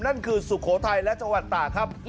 สุโขทัยและจังหวัดตากครับ